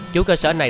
chủ cơ sở này